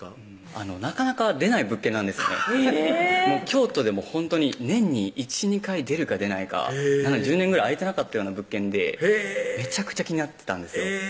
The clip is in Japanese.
京都でもほんとに年に１２回出るか出ないか１０年ぐらい空いてなかったような物件でめちゃくちゃ気になってたんですよ